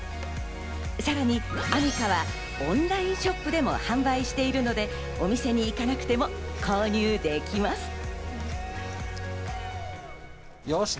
さらにアミカはオンラインショップでも販売しているのでお店に行かなくても購入できます。